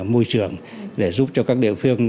môi trường để giúp cho các địa phương